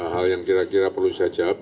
hal yang kira kira perlu saya jawab